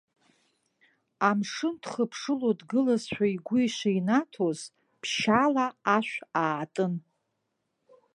Амшын дхыԥшыло дгылазшәа игәы ишинаҭоз, ԥшьаала ашә аатын.